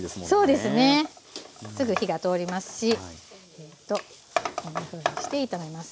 すぐ火が通りますしこんなふうにして炒めます。